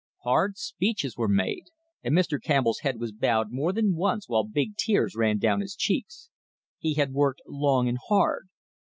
Hard speeches were made, and Mr. Campbell's head was bowed more than once while big tears ran down his cheeks. He had worked long and hard.